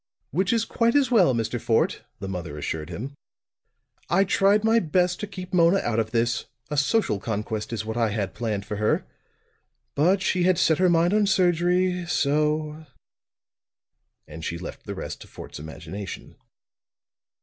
"Which is quite as well, Mr. Fort," the mother assured him. "I tried my best to keep Mona out of this; a social conquest is what I had planned for her. But she had set her mind on surgery; so " And she left the rest to Fort's imagination.